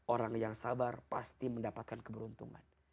orang yang sabar pasti mendapatkan keberuntungan